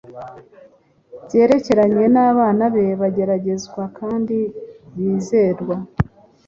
byerekeranye n’abana be bageragezwa kandi bizerwa.